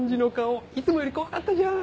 いつもより怖かったじゃん。